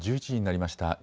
１１時になりました。